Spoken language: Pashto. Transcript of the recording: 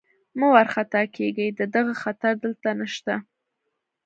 مه وارخطا کېږئ، د دغه خطر دلته نشته.